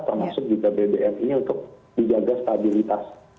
termasuk juga bbm ini untuk dijaga stabilitas